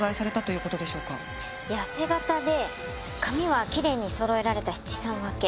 痩せ形で髪はきれいにそろえられた七三分け。